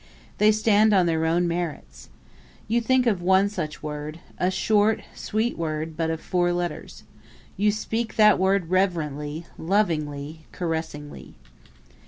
They stand on their own merits. You think of one such word a short, sweet word of but four letters. You speak that word reverently, lovingly, caressingly.